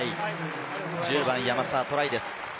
１０番・山沢、トライです。